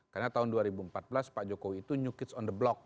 karena tahun dua ribu empat belas pak jokowi itu new kids on the block